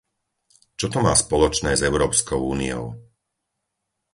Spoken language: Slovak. Čo to má spoločné s Európskou úniou?